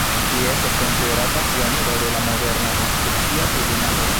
Li estas konsiderata pioniro de la moderna Konstitucia tribunalo.